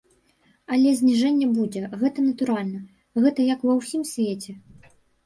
Але зніжэнне будзе, гэта натуральна, гэта як ва ўсім свеце.